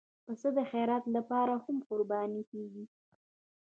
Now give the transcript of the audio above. پسه د خیرات لپاره هم قرباني کېږي.